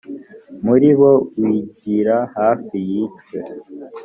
muri bo wigira hafi yicwe